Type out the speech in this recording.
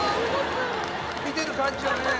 見てる感じはね。